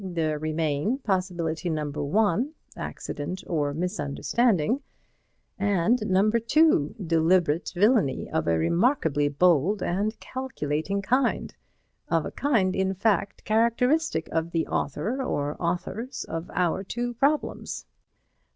There remain Possibility No. 1: Accident or Misunderstanding, and No. 2: Deliberate Villainy, of a remarkably bold and calculating kind—of a kind, in fact, characteristic of the author or authors of our two problems.